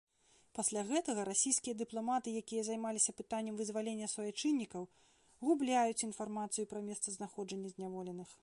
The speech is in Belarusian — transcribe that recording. Пасля гэтага расійскія дыпламаты, якія займаліся пытаннем вызвалення суайчыннікаў, губляюць інфармацыю пра месцазнаходжанне зняволеных.